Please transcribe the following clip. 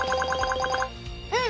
うん。